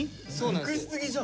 無くしすぎじゃん。